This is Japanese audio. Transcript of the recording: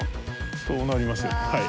そうなりますよねはい。